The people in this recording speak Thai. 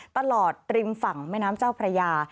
ตลอดริมฝั่งแม่น้ำเจ้าพระยา